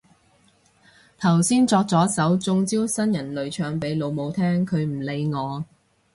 頭先作咗首中招新人類唱俾老母聽，佢唔理我